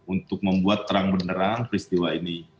untuk membuat terang benerang peristiwa ini